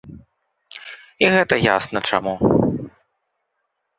І гэта ясна чаму.